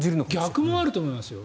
逆もあると思いますよ。